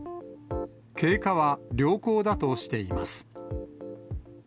経過は良好だとしています。